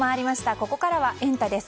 ここからはエンタ！です。